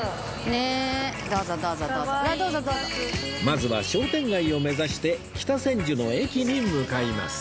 まずは商店街を目指して北千住の駅に向かいます